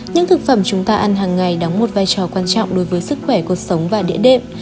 những thực phẩm chúng ta ăn hàng ngày đóng một vai trò quan trọng đối với sức khỏe cuộc sống và đĩa đệm